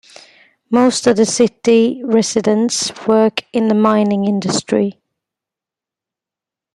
Most of the city residents work in the mining industry.